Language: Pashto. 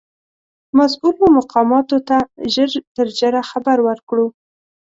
مسؤولو مقاماتو ته ژر تر ژره خبر ورکړو.